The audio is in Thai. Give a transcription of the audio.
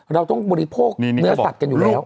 เราต้องบริโภคเนื้อสัตว์กันอยู่แล้ว